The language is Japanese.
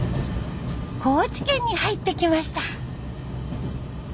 高知県に入ってきました。